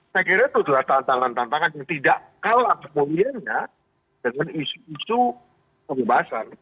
saya kira itu adalah tantangan tantangan yang tidak kalah kemudiannya dengan isu isu pembebasan